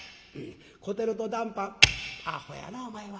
小照と談判アホやなお前は。